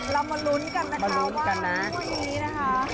เรามาลุ้นกันนะคะว่าว่างี้นะคะ